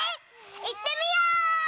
いってみよう！